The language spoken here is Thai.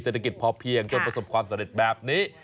เศรษฐกิจภอเพียสจนโผสบความเสด็จแบบนี้